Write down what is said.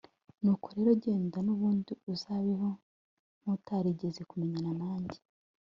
nuko rero genda nubundi uzabeho nkutarigeze kumenyana nanjye